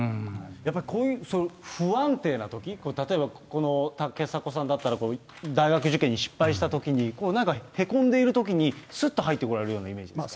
やっぱりこういう不安定なとき、例えば竹迫さんだったら、大学受験に失敗したときに、へこんでいるときに、すっと入って来られるようなイメージですか。